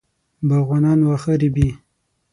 باغوانان واښه رېبي.